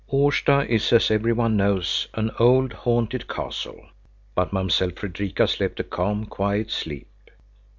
Årsta is, as every one knows, an old haunted castle, but Mamsell Fredrika slept a calm, quiet sleep.